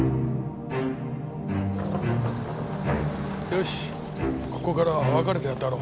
よしここからは分かれてあたろう。